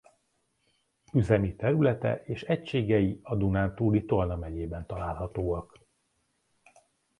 Üzemi területe és egységei a dunántúli Tolna megyében találhatóak.